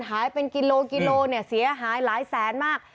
หายเป็นกิโลกิโลเนี่ยเสียหายหลายแสนมาก